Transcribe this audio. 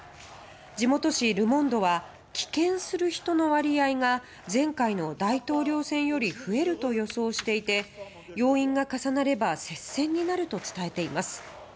地元紙ル・モンドは棄権する人の割合が前回の大統領選より増えると予想していて要因が重なれば接戦になると伝えています。